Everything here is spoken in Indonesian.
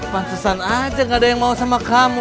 pansusan aja gak ada yang mau sama kamu